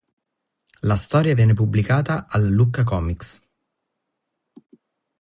La storia viene pubblicata al Lucca Comics.